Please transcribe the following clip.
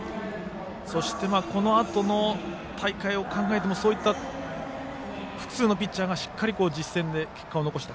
このあとの大会を考えてもそういった複数のピッチャーがしっかりと実戦で結果を残した。